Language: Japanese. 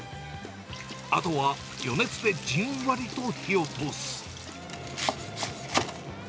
あとは余熱でじんわりと火を通す。